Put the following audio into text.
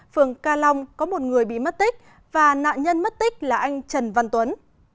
phường ca long có một người bị mất tích và nạn nhân mất tích là anh trần văn tuấn